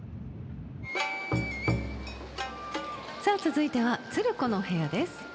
さあ続いては「つる子の部屋」です。